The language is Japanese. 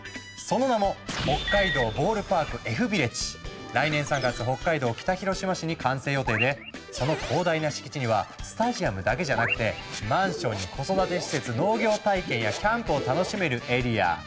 その名も来年３月北海道北広島市に完成予定でその広大な敷地にはスタジアムだけじゃなくてマンションに子育て施設農業体験やキャンプを楽しめるエリア。